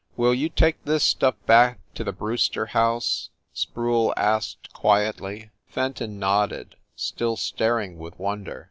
"Will you take this stuff back to the Brewster house ?" Sproule asked quietly. Fenton nodded, still staring with wonder.